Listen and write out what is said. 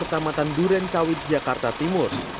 kecamatan duren sawit jakarta timur